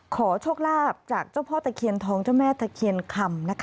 ขอโชคลาภจากเจ้าพ่อตะเคียนทองเจ้าแม่ตะเคียนคำนะคะ